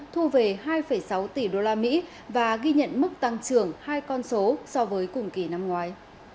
thu về hai sáu tỷ đô la mỹ và ghi nhận mức tăng trưởng hai con số so với cùng kỳ năm ngoái